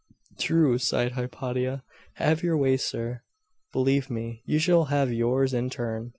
'True,' sighed Hypatia. 'Have your way, sir.' 'Believe me, you shall have yours in turn.